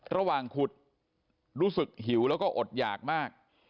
ระหว่างขุดรู้สึกหิวแล้วก็อดหยากมาก